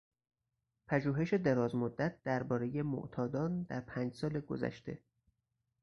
پژوهش دراز مدت دربارهی معتادان در پنج سال گذشته